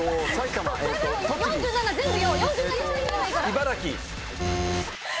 茨城。